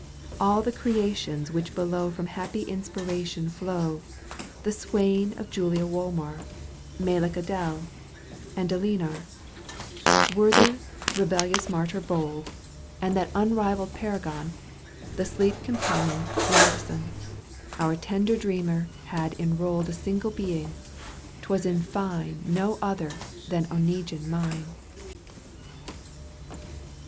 All the creations which below From happy inspiration flow, The swain of Julia Wolmar, Malek Adel and De Linar,®^ Werther, rebellious martyr bold, Digitized byGoogk 70 EUGENE ON^GUINE. са?пч) ш. And that unrivaned paragon, The sleep compelling Grandison, Our tender dreamer had enrolled A single being : 'twas in fine No other than Oneguine mine.